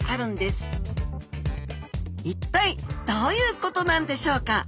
一体どういうことなんでしょうか？